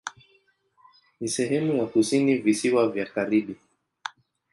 Ni sehemu ya kusini Visiwa vya Karibi.